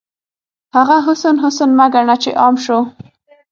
هغه حسن، حسن مه ګڼه چې عام شو